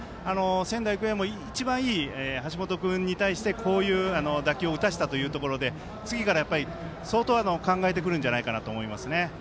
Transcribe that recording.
仙台育英も一番いい橋本君に対してこういう打球を打たせたというところで次から相当、考えてくるんじゃないかと思いますね。